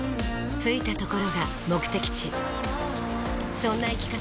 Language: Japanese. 着いたところが目的地そんな生き方